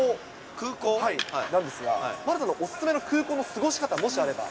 空港？なんですが、丸さんのお勧めの空港の過ごし方、もしあれば。